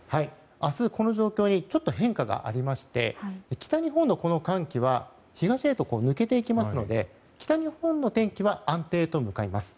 明日はこの状況に変化がありまして北日本の寒気は東へと抜けていきますので北日本の天気は安定へと向かいます。